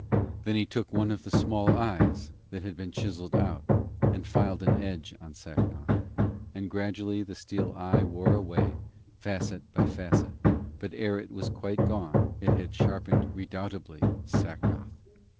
Then he took one of the small eyes that had been chiselled out, and filed an edge on Sacnoth, and gradually the steel eye wore away facet by facet, but ere it was quite gone it had sharpened redoubtably Sacnoth.